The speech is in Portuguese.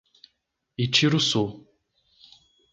Itiruçu